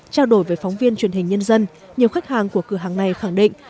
trao đổi với phóng viên truyền hình nhân dân nhiều khách hàng của cửa hàng này khẳng định